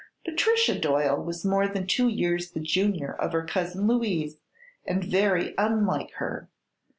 Patricia Doyle was more than two years the junior of her cousin Louise and very unlike her.